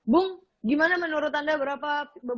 bung gimana menurut anda beberapa pihak yang sudah menangani kondusif